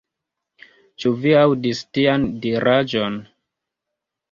Ĉu vi aŭdis tian diraĵon?